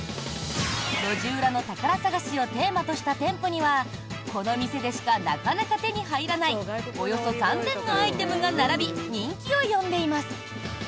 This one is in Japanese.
路地裏の宝探しをテーマとした店舗にはこの店でしかなかなか手に入らないおよそ３０００のアイテムが並び人気を呼んでいます。